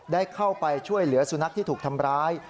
ได้เข้าไปช่วยเหลือสุนัขที่ถูกทำร้าย